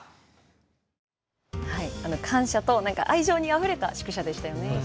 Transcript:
感謝と愛情にあふれた宿舎でしたよね。